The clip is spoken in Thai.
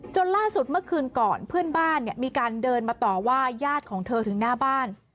ล่าสุดเมื่อคืนก่อนเพื่อนบ้านเนี่ยมีการเดินมาต่อว่าญาติของเธอถึงหน้าบ้าน